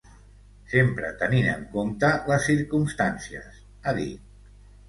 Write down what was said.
Sempre tenint en compte les circumstàncies, ha dit.